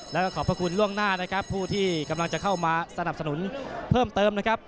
แล้วก็ขอบพระคุณล่วงหน้านะครับผู้ที่กำลังจะเข้ามาสนับสนุนเพิ่มเติมนะครับ